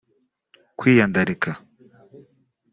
kwiyandarika